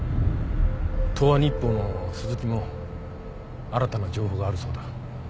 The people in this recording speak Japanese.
東和日報の鈴木も新たな情報があるそうだ。